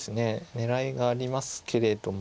狙いがありますけれども。